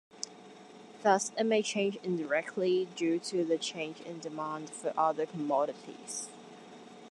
Thus it may change indirectly due to change in demand for other commodities.